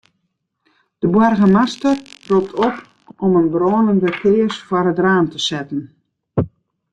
De boargemaster ropt op om in brânende kears foar it raam te setten.